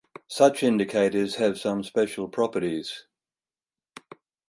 Such indicators have some special properties.